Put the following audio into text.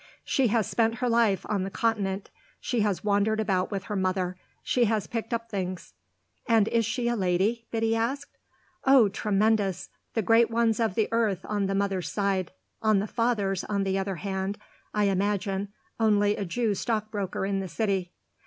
"She has spent her life on the Continent; she has wandered about with her mother; she has picked up things." "And is she a lady?" Biddy asked. "Oh tremendous! The great ones of the earth on the mother's side. On the father's, on the other hand, I imagine, only a Jew stockbroker in the City."